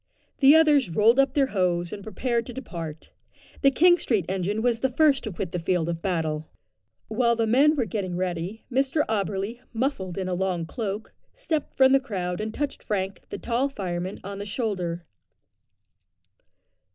The others rolled up their hose, and prepared to depart. The King Street engine was the first to quit the field of battle. While the men were getting ready, Mr Auberly, muffled in a long cloak, stepped from the crowd and touched Frank, the tall fireman, on the shoulder.